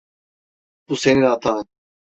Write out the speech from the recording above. Bu senin hatan.